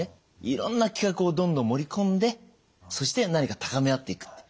いろんな企画をどんどん盛り込んでそして何か高め合っていくと。